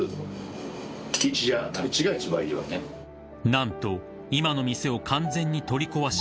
［何と今の店を完全に取り壊し］